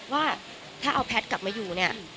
ว่าถ้าเอาแพทย์กลับมาอยู่